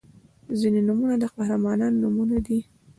• ځینې نومونه د قهرمانانو نومونه دي.